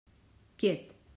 Quiet!